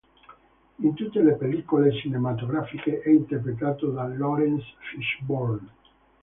In tutte le pellicole cinematografiche è interpretato da Laurence Fishburne.